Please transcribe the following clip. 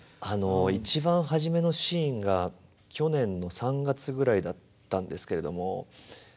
あの一番初めのシーンが去年の３月ぐらいだったんですけれども寒い